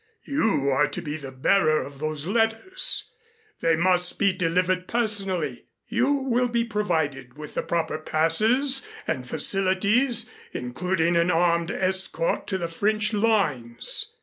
You are to be the bearer of those letters. They must be delivered personally. You will be provided with the proper passes and facilities, including an armed escort to the French lines.